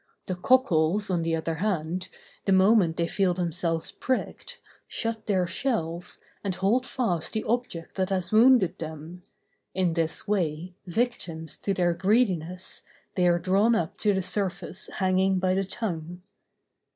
The cockles, on the other hand, the moment they feel themselves pricked, shut their shells, and hold fast the object that has wounded them: in this way, victims to their greediness, they are drawn up to the surface hanging by the tongue.